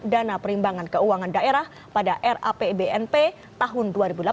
dana perimbangan keuangan daerah pada rapbnp tahun dua ribu delapan belas